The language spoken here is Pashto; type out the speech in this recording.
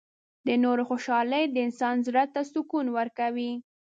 • د نورو خوشحالي د انسان زړۀ ته سکون ورکوي.